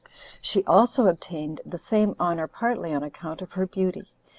She also obtained the same honor partly on account of her beauty.